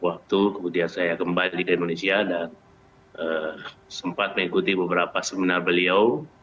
waktu kemudian saya kembali ke indonesia dan sempat mengikuti beberapa seminar beliau